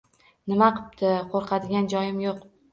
Nima qipti, qoʻrqadigan joyim yoʻq.